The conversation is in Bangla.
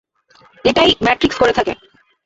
এটাই ম্যাট্রিক্স করে থাকে।